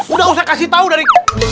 udah usah kasih tau dari